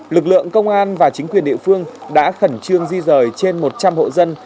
lực lượng công an và chính quyền địa phương đã khẩn trương di rời trên một trăm linh hộ dân